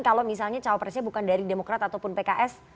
kalau misalnya cawapresnya bukan dari demokrat ataupun pks